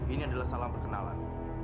ini adalah salam perkenalan